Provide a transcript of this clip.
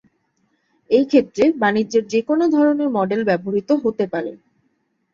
এই ক্ষেত্রে বাণিজ্যের যে কোন ধরনের মডেল ব্যবহৃত হতে পারে।